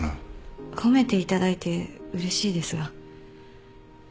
褒めていただいてうれしいですが。